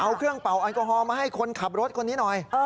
เอาเครื่องเป่าแอลกอฮอลมาให้คนขับรถคนนี้หน่อย